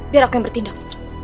biar aku yang bertindak